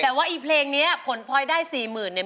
แต่ว่าอีเพลงนี้ผลพลอยได้๔๐๐๐๐เนี่ย